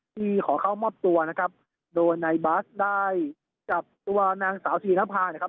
ที่ขอเข้ามอบตัวนะครับโดยนายบัสได้จับตัวนางสาวศรีนภานะครับ